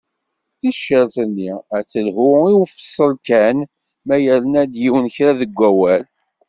Ticcert-nni ad telhu i ufeṣṣel kan ma yerna-d yiwen kra deg awal.